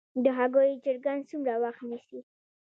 د هګیو چرګان څومره وخت نیسي؟